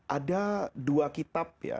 ada dua kitab ya